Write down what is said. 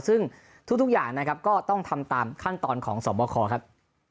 ซึ่งทุกอย่างนะครับก็ต้องทำตามขั้นตอนของสวบคครับ